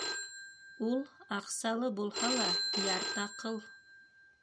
Ул аҡсалы булһа ла, яртаҡыл.